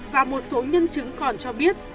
và một số nhân chứng còn cho biết